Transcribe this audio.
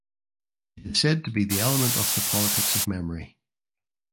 It is said to be the element of the politics of memory.